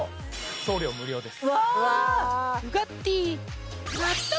送料無料です